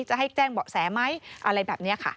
จะให้แจ้งเบาะแสไหมอะไรแบบนี้ค่ะ